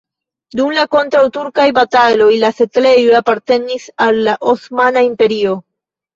Dum la kontraŭturkaj bataloj la setlejo apartenis al la Osmana Imperio.